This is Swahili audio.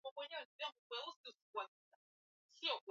changamoto nyingine ni ukosefu wa mapato ya serikali